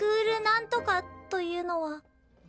なんとかというのは。